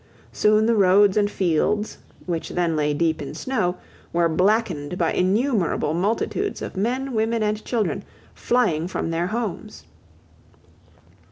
Soon the roads and fields, which then lay deep in snow, were blackened by innumerable multitudes of men, women, and children flying from their homes.